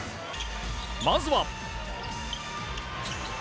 まずは。